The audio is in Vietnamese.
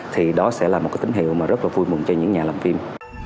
thì đó sẽ là một cái tín hiệu mà rất là vui mừng cho những nhà làm phim